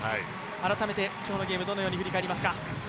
改めて今日のゲームどのように振り返りますか？